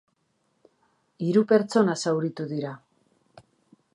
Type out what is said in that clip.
Hiru pertsona zauritu dira.